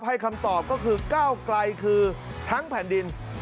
คำตอบก็คือก้าวไกลคือทั้งแผ่นดิน